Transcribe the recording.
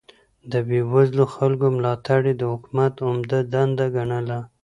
د بې وزلو خلکو ملاتړ يې د حکومت عمده دنده ګڼله.